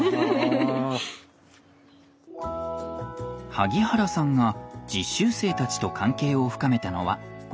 萩原さんが実習生たちと関係を深めたのは５年前。